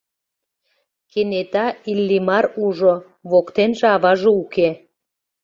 Кенета Иллимар ужо: воктенже аваже уке.